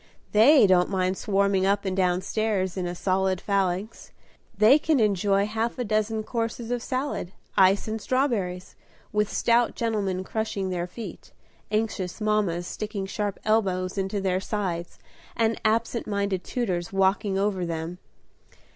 They don't mind swarming up and down stairs in a solid phalanx; they can enjoy half a dozen courses of salad, ice and strawberries, with stout gentlemen crushing their feet, anxious mammas sticking sharp elbows into their sides, and absent minded tutors walking over them.